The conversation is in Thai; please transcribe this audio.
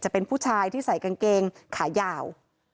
เป็นผู้ชายที่ใส่กางเกงขายาว